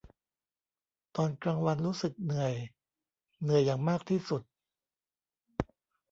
ตอนกลางวันรู้สึกเหนื่อย เหนื่อยอย่างมากที่สุด